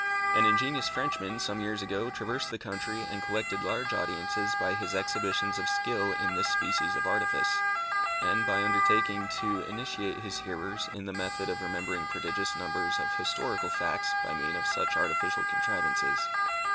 An ingenious Frenchman some years ago traversed the country and collected large audiences by his exhibitions of skill in this species of artifice, and by undertaking to initiate his hearers in the method of remembering prodigious numbers of historical facts by means of such artificial contrivances.